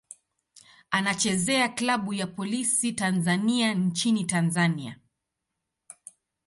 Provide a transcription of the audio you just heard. Anachezea klabu ya Polisi Tanzania nchini Tanzania.